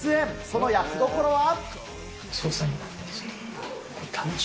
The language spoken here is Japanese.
その役どころは？